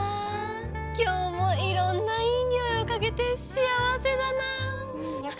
今日もいろんないい匂いをかげて幸せだなあ。